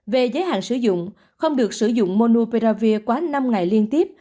về giới hạn sử dụng không được sử dụng monopravir quá năm ngày liên tiếp